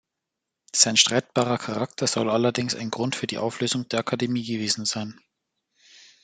Sein streitbarer Charakter soll allerdings ein Grund für die Auflösung der Akademie gewesen sein.